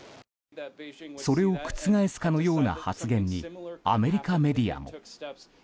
それを覆すかのような発言にアメリカメディアも。